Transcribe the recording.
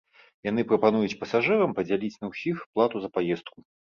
Яны прапануюць пасажырам падзяліць на ўсіх плату за паездку.